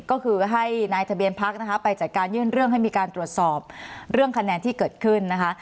ก็คือให้นายทะเบียนพักนะคะไปจัดการยื่นเรื่องให้มีการตรวจสอบเรื่องคะแนนที่เกิดขึ้นนะคะ